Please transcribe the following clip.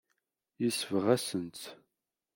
Yesbeɣ-asen-tt.